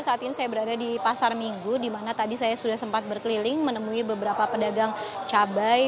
saat ini saya berada di pasar minggu di mana tadi saya sudah sempat berkeliling menemui beberapa pedagang cabai